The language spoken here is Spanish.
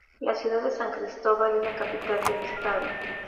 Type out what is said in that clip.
La ciudad de San Cristóbal es la capital del Estado.